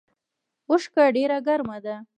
اوښکه ډیره ګرمه ده